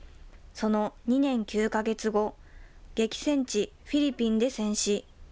その２年９か月後、激戦地、フィリピンで戦死。